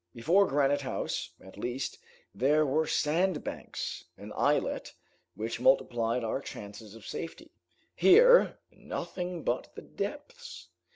Before Granite House, at least, there were sandbanks, an islet, which multiplied our chances of safety. Here, nothing but the depths!"